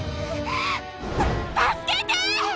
た助けて！